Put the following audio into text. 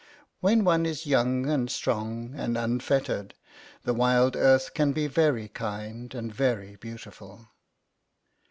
When one is young and strong and unfettered the wild earth can be very kind 94 CROSS CURRENTS 95 and very beautiful.